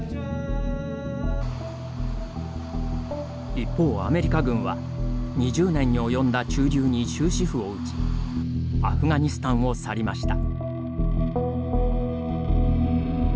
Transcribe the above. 一方、アメリカ軍は２０年におよんだ駐留に終止符を打ちアフガニスタンを去りました。